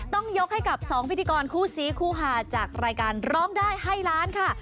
ต้องยกให้กับ๒พิธีกรคู่ซีคู่หาจากรายการร้องได้ให้ล้านค่ะ